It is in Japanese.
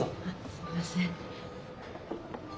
すいません。